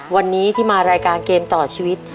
วันนี้ที่มารายการเกมต่อชีวิต